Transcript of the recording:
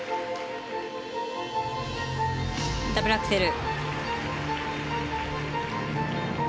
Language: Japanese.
ダブルアクセル。